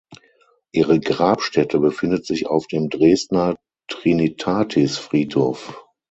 Ihre Grabstätte befindet sich auf dem Dresdener Trinitatisfriedhof.